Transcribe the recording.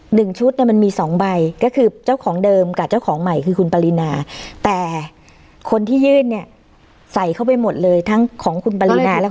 หนึ่งชุดเนี่ยมันมีสองใบก็คือเจ้าของเดิมกับเจ้าของใหม่คือคุณปรินาแต่คนที่ยื่นเนี่ยใส่เข้าไปหมดเลยทั้งของคุณปรินาและ